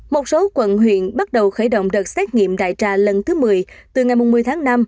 một số quận huyện bắt đầu khởi động đợt xét nghiệm đại trà lần thứ một mươi từ ngày một mươi tháng năm